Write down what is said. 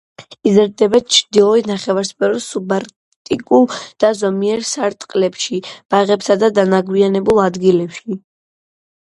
იზრდება ჩრდილოეთ ნახევარსფეროს სუბარქტიკულ და ზომიერ სარტყლებში, ბაღებსა და დანაგვიანებულ ადგილებში.